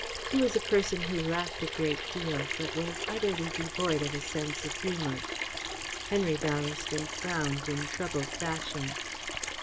He was a person who laughed a great deal but who was utterly devoid of a sense of humour. Henry Ballaston frowned in troubled fashion.